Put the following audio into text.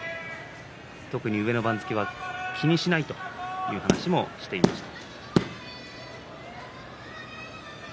特に上の番付は気にしないという話もしていました。